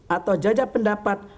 atau jajak pendapat